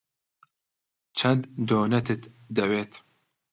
چەند دۆنەتت دەوێت؟